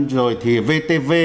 rồi thì vtv